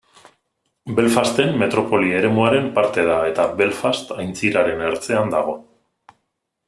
Belfasten metropoli eremuaren parte da eta Belfast aintziraren ertzean dago.